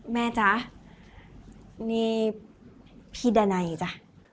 แม่จ๊ะนี่พี่ดานัยจ้ะ